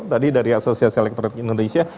tadi dari asosiasi elektronik indonesia